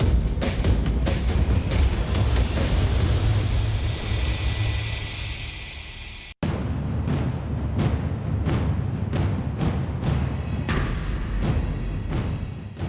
มันกลายเปลี่ยนกับเมื่อไหร่